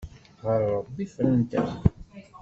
Ɣer Ṛebbi frant akk.